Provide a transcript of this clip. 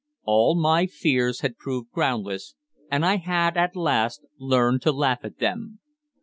All my fears had proved groundless, and I had, at last, learned to laugh at them.